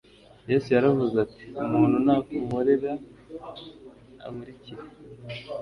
Yesu yaravuze ati: "Umuntu nankorera, ankurikire,